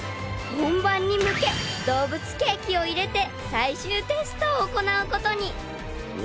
［本番に向け動物ケーキを入れて最終テストを行うことに］